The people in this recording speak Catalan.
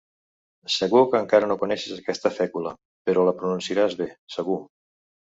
Segur que encara no coneixes aquesta fècula, però la pronunciaràs bé, segur.